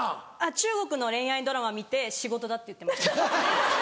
中国の恋愛ドラマ見て「仕事だ」って言ってます。